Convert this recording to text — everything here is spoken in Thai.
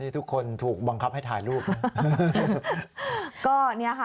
ทุกคนถูกบังคับให้ถ่ายรูปนะ